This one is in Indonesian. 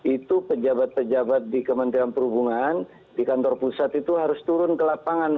itu pejabat pejabat di kementerian perhubungan di kantor pusat itu harus turun ke lapangan